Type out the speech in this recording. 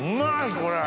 これ。